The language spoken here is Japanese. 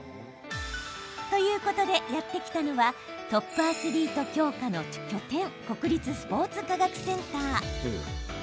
ということで、やって来たのはトップアスリート強化の拠点国立スポーツ科学センター。